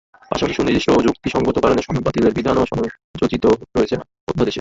পাশাপাশি সুনির্দিষ্ট ও যুক্তিসংগত কারণে সনদ বাতিলের বিধানও সংযোজিত রয়েছে অধ্যাদেশে।